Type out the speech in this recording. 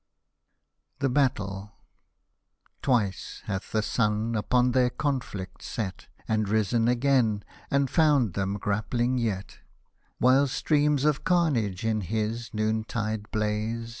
THE BATTLE Twice hath the sun upon their conflict set, And risen again, and found them grappling yet ; While streams of carnage in his noontide blaze.